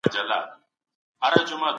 خلک له پخوا راهیسې دا ستونزه لري.